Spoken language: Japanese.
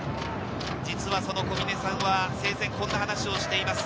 実は小嶺さんは生前、こんな話をしています。